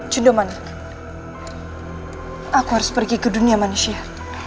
jundoman aku harus pergi ke dunia manusia